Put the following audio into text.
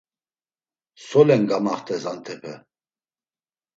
Solen gamaxtes antepe?